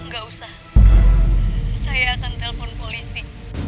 gak usah saya akan telpon polisi